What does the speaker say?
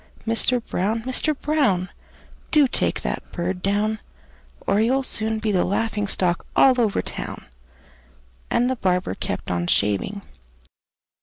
Mister Brown! Mister Brown! Do take that bird down, Or you'll soon be the laughing stock all over town!" And the barber kept on shaving.